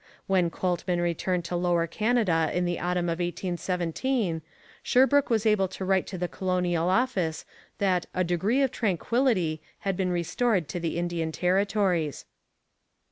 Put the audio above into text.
When Coltman returned to Lower Canada in the autumn of 1817, Sherbrooke was able to write the Colonial Office that 'a degree of tranquility' had been restored to the Indian Territories.